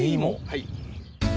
はい。